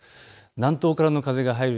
南東からの風が入る